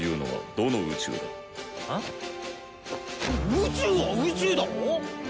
宇宙は宇宙だろ？